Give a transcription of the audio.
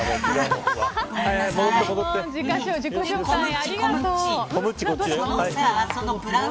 自己紹介ありがとう。